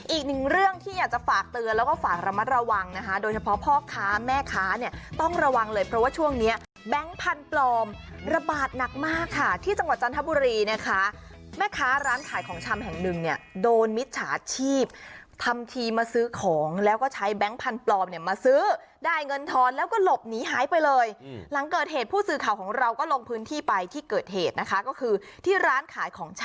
อีกหนึ่งเรื่องที่อยากจะฝากเตือนแล้วก็ฝากระมัดระวังนะคะโดยเฉพาะพ่อค้าแม่ค้าเนี่ยต้องระวังเลยเพราะว่าช่วงนี้แบงค์พันธุ์ปลอมระบาดหนักมากค่ะที่จังหวัดจันทบุรีนะคะแม่ค้าร้านขายของชำแห่งหนึ่งเนี่ยโดนมิจฉาชีพทำทีมาซื้อของแล้วก็ใช้แบงค์พันธุ์ปลอมเนี่ยมาซื้อได้เงินทอนแล้วก็ห